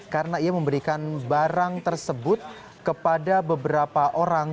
karena ia memberikan barang tersebut kepada beberapa orang